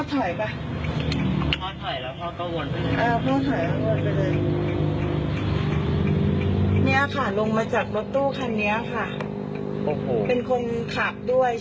เป็นคนขับด้วยใช่ป่ะพ่อ